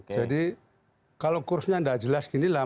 jadi kalau kursnya nggak jelas gini lah